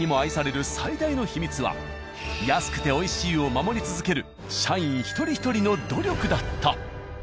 安くて美味しいを守り続ける社員１人１人の努力だった。